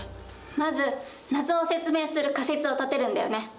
まず謎を説明する仮説を立てるんだよね。